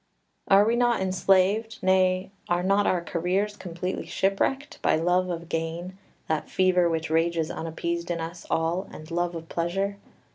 Are we not enslaved, nay, are not our careers completely shipwrecked, by love of gain, that fever which rages unappeased in us all, and love of pleasure?